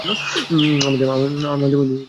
আমাদের মধ্যে সমস্যা ছিল।